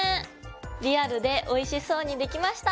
リアルでおいしそうにできました！